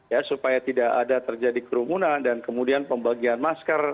ya supaya tidak ada terjadi kerumunan dan kemudian pembagian masker